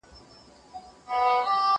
زه اوس د کتابتون لپاره کار کوم!!